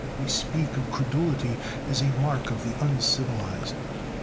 We speak of credulity as a mark of the uncivilized.